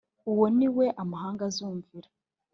uwo ni We amahanga azumvira.